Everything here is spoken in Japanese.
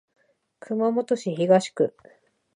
熊本市東区